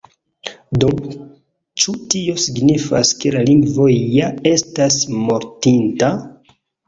Do, ĉu tio signifas ke la lingvo ja estas mortinta?